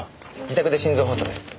自宅で心臓発作です。